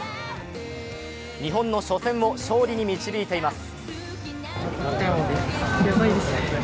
日本の初戦を勝利に導いています。